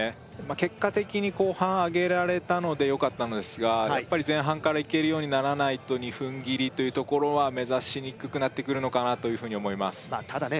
結果的に後半上げられたのでよかったのですがやっぱり前半からいけるようにならないと２分切りというところは目指しにくくなってくるのかなというふうに思いますただね